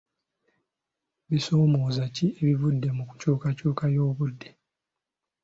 Bisoomooza ki ebivudde mu nkyukakyuka y'obudde?